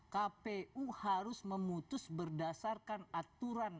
kpu harus memutus berdasarkan aturan